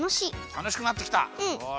たのしくなってきた！